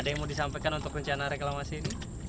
ada yang mau disampaikan untuk rencana reklamasi ini